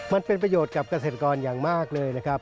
มันเป็นประโยชน์กับเกษตรกรอย่างมากเลยนะครับ